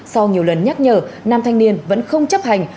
sau nhiều lần nhắc nhở nam thanh niên vẫn không chấp hành